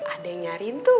ada yang nyariin tuh